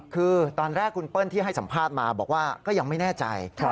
คือตอนแรกคุณเปิ้ลที่ให้สัมภาษณ์มาบอกว่าก็ยังไม่แน่ใจ